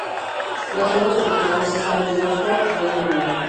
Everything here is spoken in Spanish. Las obras originales están en Oxford, Reino Unido.